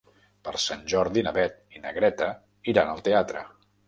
Per Sant Jordi na Beth i na Greta iran al teatre.